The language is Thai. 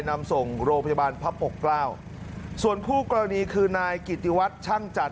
นำส่งโรงพยาบาลพระปกเกล้าส่วนคู่กรณีคือนายกิติวัฒน์ช่างจันท